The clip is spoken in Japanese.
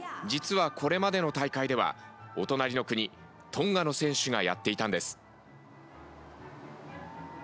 実は、これまでの大会ではお隣の国トンガの選手がやっていたんです。